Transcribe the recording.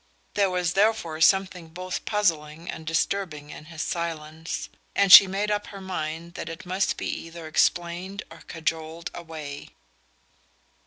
There was therefore something both puzzling and disturbing in his silence; and she made up her mind that it must be either explained or cajoled away.